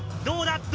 どうだ？